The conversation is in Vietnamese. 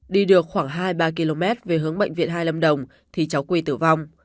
đi được khoảng hai mươi ba km về hướng bệnh viện hai lâm đồng thì cháu quy tử vong